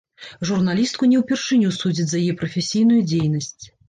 Журналістку не ўпершыню судзяць за яе прафесійную дзейнасць.